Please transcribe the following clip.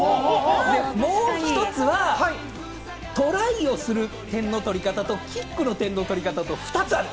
もう１つは、トライをする点の取り方とキックの点の取り方２つある。